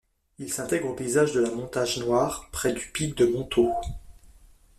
Il s'intègre aux paysages de la Montage noire, près du pic de Montaud.